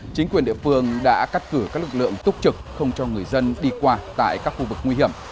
chính quyền địa phương đã cắt cử các lực lượng túc trực không cho người dân đi qua tại các khu vực nguy hiểm